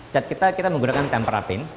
cat kita kita menggunakan tempera paint